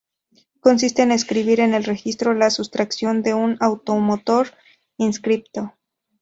Consiste en inscribir en el registro la sustracción de un automotor inscripto.